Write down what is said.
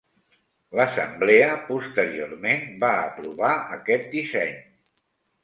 L'Assemblea posteriorment va aprovar aquest disseny.